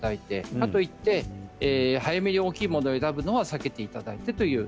かといって早めに大きいものを選ぶのは避けていただく。